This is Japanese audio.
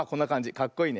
かっこいいね。